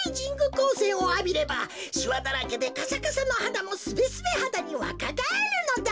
こうせんをあびればしわだらけでカサカサのはだもスベスベはだにわかがえるのだ。